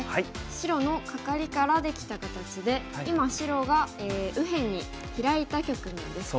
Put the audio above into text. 白のカカリからできた形で今白が右辺にヒラいた局面です。